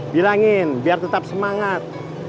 bilangin biar tetap semangat